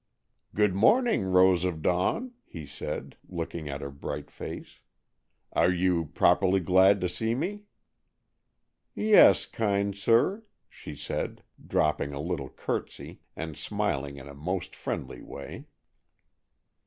"Good morning, Rose of Dawn," he said, looking at her bright face. "Are you properly glad to see me?" "Yes, kind sir," she said, dropping a little curtsey, and smiling in a most friendly way.